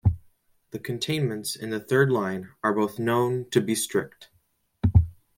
The containments in the third line are both known to be strict.